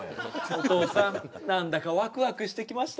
お父さん何だかワクワクしてきましたね